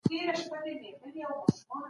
د محرمیت حق د فردي ازادۍ برخه ده.